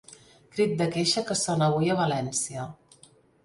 Crit de queixa que sona avui a València.